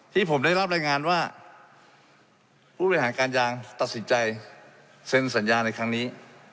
ที่ผมได้รับรายงานว่าผู้บริหารการยางตัดสินใจเซ็นสัญญาในครั้งนี้